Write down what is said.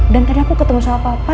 dan karena aku ketemu sama papa